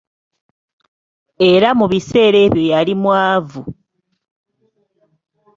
Era mu biseera ebyo yali mwavu.